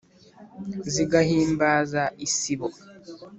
zigahimbaza isibo,